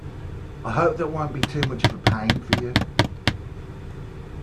I hope that won't be too much of a pain for you?